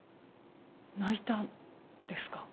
泣いたんですか？